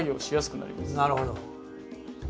なるほど。